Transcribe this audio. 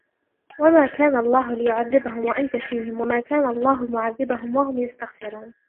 وَمَا كَانَ اللَّهُ لِيُعَذِّبَهُمْ وَأَنْتَ فِيهِمْ وَمَا كَانَ اللَّهُ مُعَذِّبَهُمْ وَهُمْ يَسْتَغْفِرُونَ